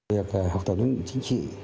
việc học tập lý luận chính trị